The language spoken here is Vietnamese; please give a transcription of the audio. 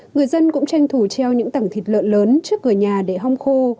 người dân cũng tranh thủ treo những tầng thịt lợn lớn trước cửa nhà để hong khô